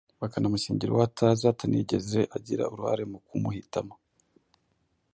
bakanamushyingira uwo atazi atanigeze agira uruhare mu kumuhitamo.